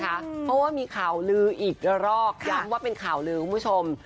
เพราะว่ามีข่าวลืออีกระรอกย้ำว่าเป็นข่าวลือคุณผู้ชม